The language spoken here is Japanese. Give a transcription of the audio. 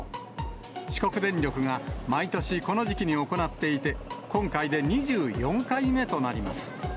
四国電力が毎年この時期に行っていて、今回で２４回目となります。